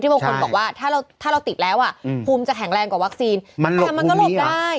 บางคนบอกว่าถ้าเราติดแล้วอ่ะภูมิจะแข็งแรงกว่าวัคซีนแต่มันก็หลบได้